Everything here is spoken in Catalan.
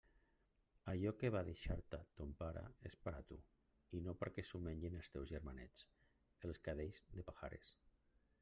Allò que va deixar-te ton pare és per a tu, i no perquè s'ho mengen els teus germanets, els cadells de Pajares.